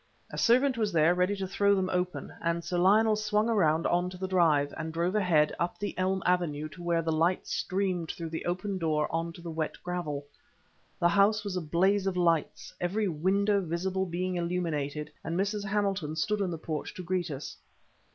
A servant was there, ready to throw them open; and Sir Lionel swung around on to the drive, and drove ahead, up the elm avenue to where the light streamed through the open door on to the wet gravel. The house was a blaze of lights, every window visible being illuminated; and Mrs. Hamilton stood in the porch to greet us.